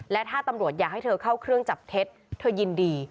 และถ้าตำรวจอยากให้เธอเข้าเครื่องจับเท็จเธอยินดี